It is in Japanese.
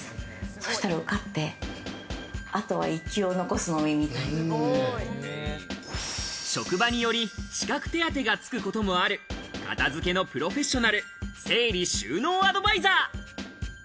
そしたら受かって、職場により資格手当がつくこともある片付けのプロフェッショナル整理収納アドバイザー。